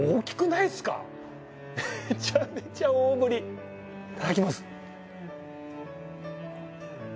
いただきます。